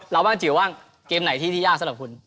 เล่าบ้างจิ๋วว่างเกมไหนที่ยากสำหรับคุณ